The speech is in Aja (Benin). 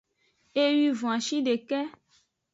Ewwivon ashideke.